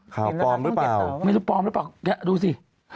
ปลอมหรือเปล่าไม่รู้ปลอมหรือเปล่าเนี่ยดูสิ